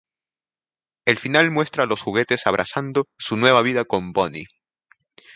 El final muestra los juguetes abrazando su nueva vida con Bonnie.